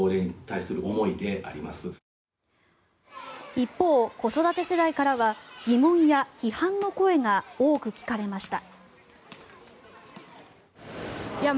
一方、子育て世代からは疑問や批判の声が多く聞かれました。